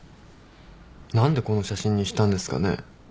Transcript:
何でこの写真にしたんですかね？